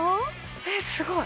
えっすごい！